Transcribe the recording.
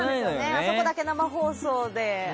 あそこだけ生放送で。